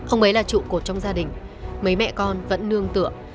ông ấy là trụ cột trong gia đình mấy mẹ con vẫn nương tựa